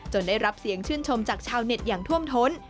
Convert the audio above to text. ได้รับเสียงชื่นชมจากชาวเน็ตอย่างท่วมท้น